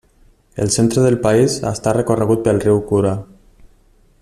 El centre del país està recorregut pel riu Kura.